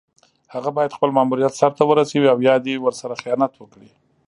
هغه باید خپل ماموریت سر ته ورسوي او یا دې ورسره خیانت وکړي.